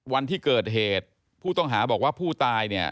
วันที่เกิดเหตุผู้ต้องหาบอกว่าผู้ตายเนี่ย